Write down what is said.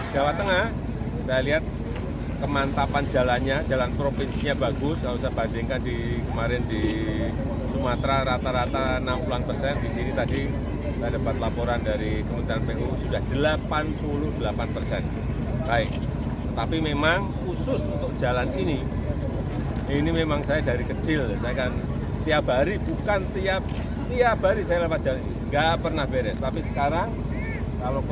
jangan lupa like share dan subscribe channel ini untuk dapat info terbaru